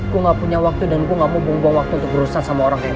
aku gak punya waktu dan gue gak mau buang waktu untuk berusaha sama orang